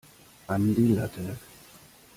An die Latte!